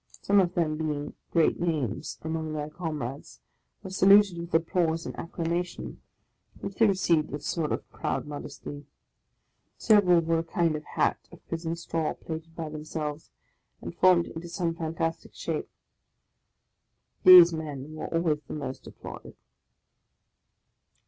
Some of them, being 'great names ' among their comrades, were saluted with applause and acclamation, which they re ceived with a sort of proud modesty. Several wore a kind of hat of prison straw, plaited by themselves, and formed into some fantastic shape; these men were always the most applauded.